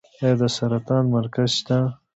آیا د سرطان مرکز شته؟